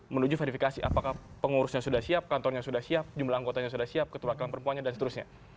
menuju verifikasi apakah pengurusnya sudah siap kantornya sudah siap jumlah anggotanya sudah siap keterwakilan perempuannya dan seterusnya